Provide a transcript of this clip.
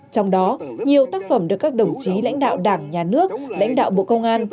trong đó nhiều tác phẩm được các đồng chí lãnh đạo đảng nhà nước lãnh đạo bộ công an